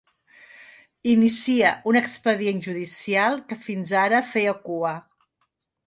Inicia un expedient judicial que fins ara feia cua.